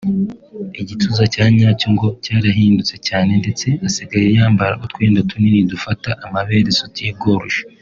igituza cya nyacyo ngo cyarahindutse cyane ndetse asigaye yambara utwenda tunini dufata amabere (Soutien-gorge)